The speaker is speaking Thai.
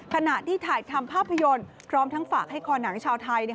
ขณะที่ถ่ายทำภาพยนตร์พร้อมทั้งฝากให้คอหนังชาวไทย